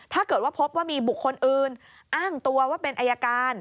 ถ้าเกิดว่าพบว่ามีบุคคลอื่นอ้างตัวว่าเป็นอายการ